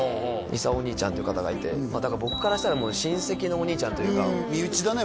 勲兄ちゃんという方がいてだから僕からしたら親戚のお兄ちゃんというか身内だね